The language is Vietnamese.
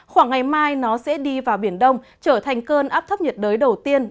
khoảng ngày mai nó sẽ đi vào biển đông trở thành cơn áp thấp nhiệt đới đầu tiên